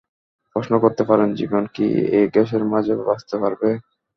প্রশ্ন করতে পারেন, জীবন কী এই গ্যাসের মাঝে বাচতে পারবে?